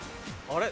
あれ？